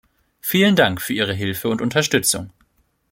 Vielen Dank für Ihre Hilfe und Unterstützung!